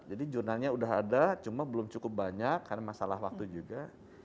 jadi jurnalnya udah ada cuma belum cukup banyak karena masalah waktu juga